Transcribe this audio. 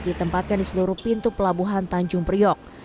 ditempatkan di seluruh pintu pelabuhan tanjung priok